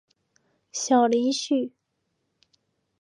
小林旭。